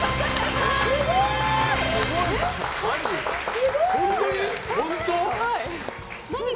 すごい！